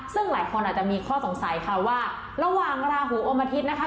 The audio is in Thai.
ซึ่งหลายคนอาจจะมีข้อสงสัยค่ะว่าระหว่างราหูอมอาทิตย์นะคะ